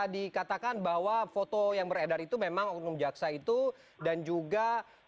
tidak ada ya bang ya